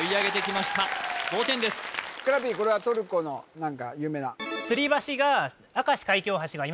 これはトルコの何か有名な？